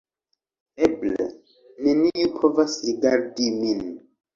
Eble, neniu povas rigardi min